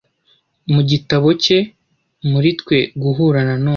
mu gitabo cye Muri twe Guhura na none